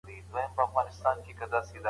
که حضوري ښوونه وي، نو د زده کړي تجربه بشپړه وي.